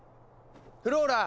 フローラ！